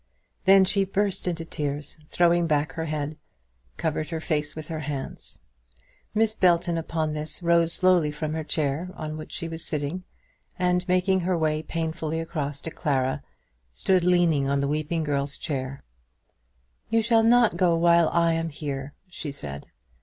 Then she burst into tears, and throwing back her head, covered her face with her hands. Miss Belton, upon this, rose slowly from the chair on which she was sitting, and making her way painfully across to Clara, stood leaning on the weeping girl's chair. "You shall not go while I am here," she said.